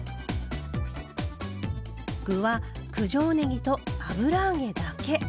具は九条ねぎと油揚げだけ。